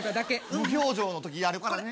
無表情のときあるからね。